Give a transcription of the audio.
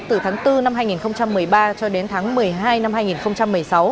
từ tháng bốn năm hai nghìn một mươi ba cho đến tháng một mươi hai năm hai nghìn một mươi sáu